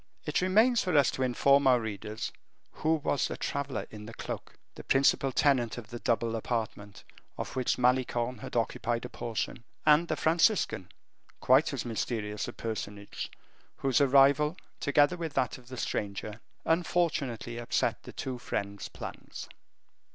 It remains for us to inform our readers who was the traveler in the cloak the principal tenant of the double apartment, of which Malicorne had only occupied a portion and the Franciscan, quite as mysterious a personage, whose arrival, together with that of the stranger, unfortunately upset the two friends' plans.